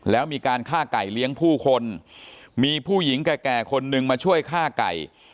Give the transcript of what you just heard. แล้วมีการฆ่าไก่เลี้ยงผู้คนมีผู้หญิงแก่คนนึงมาช่วยฆ่าไก่